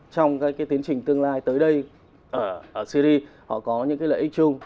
trong cái tiến trình tương lai tới đây ở syri họ có những cái lợi ích chung